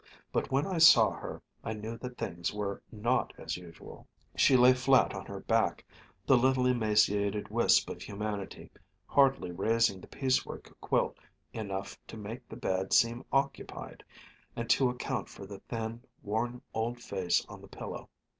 But when I saw her I knew that things were not as usual. She lay flat on her back, the little emaciated wisp of humanity, hardly raising the piecework quilt enough to make the bed seem occupied, and to account for the thin, worn old face on the pillow.